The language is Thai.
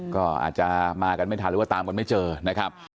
ก็อาจจะมากันไม่ทันหรือว่าตามกันไม่เจอนะครับ